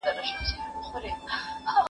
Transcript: ملا ته چا وویل چې لږ نور هم غلی شه.